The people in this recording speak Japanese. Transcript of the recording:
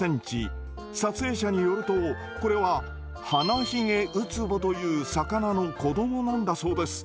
撮影者によるとこれはハナヒゲウツボという魚の子どもなんだそうです。